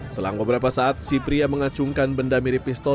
selang beberapa saat si pria mengacungkan benda mirip pistol